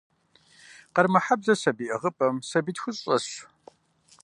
Къармэхьэблэ сабий ӏыгъыпӏэм сабий тхущӀ щӀэсщ.